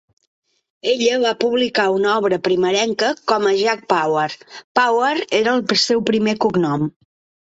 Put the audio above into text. Ella va publicar una obra primerenca com a "Jack Power"; Power era el seu primer cognom.